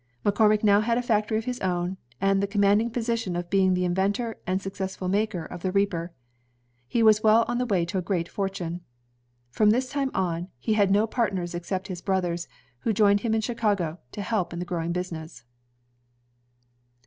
Mc Cormick now had a factory of his own, and the command ing position of being the inventor and successful maker of the reaper. He was well on the way to a great fortime. From this time on, he had no partners except his brothers, who joined him in Chicago, to help in the growing business.